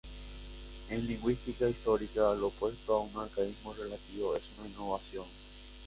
En lingüística histórica lo opuesto a un arcaísmo relativo es una innovación.